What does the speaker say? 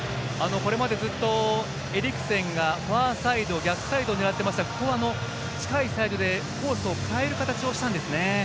これまでずっとエリクセンがファーサイド、逆サイドを狙っていましたがここは近いサイドでコースを変える形にしたんですね。